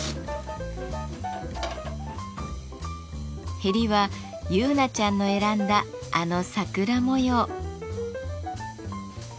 へりは結菜ちゃんの選んだあの桜模様。